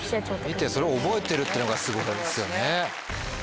見てそれを覚えてるってのがすごいですよね。